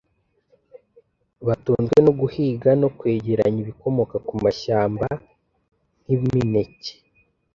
batunzwe no guhiga no kwegeranya ibikomoka ku mashyamba nk’imineke,